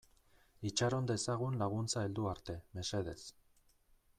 Itxaron dezagun laguntza heldu arte, mesedez.